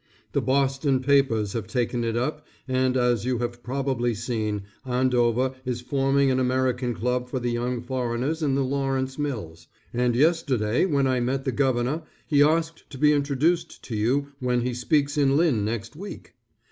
The Boston papers have taken it up, and as you have probably seen, Andover is forming an American Club for the young foreigners in the Lawrence mills, and yesterday when I met the Governor, he asked to be introduced to you when he speaks in Lynn next week.